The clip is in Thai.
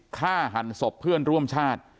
ฆ่าหันศพเพื่อนร่วมชาติ